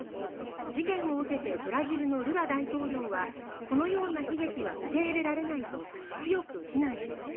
事件を受けてブラジルのルラ大統領はこのような悲劇は受け入れられないと強く非難しました。